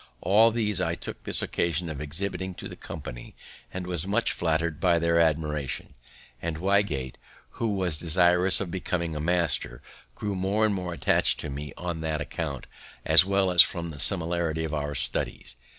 All these I took this occasion of exhibiting to the company, and was much flatter'd by their admiration; and Wygate, who was desirous of becoming a master, grew more and more attach'd to me on that account, as well as from the similarity of our studies.